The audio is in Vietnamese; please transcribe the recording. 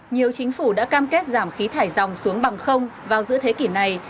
nhiều chính phủ đã cam kết giảm khí thải dòng xuống bằng không vào giữa thế kỷ này